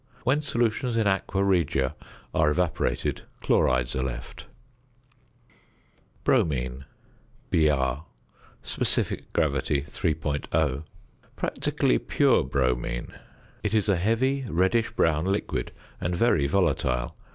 When solutions in aqua regia are evaporated, chlorides are left. ~Bromine~, Br. (sp. gr. 3.0). Practically pure bromine. It is a heavy reddish brown liquid and very volatile.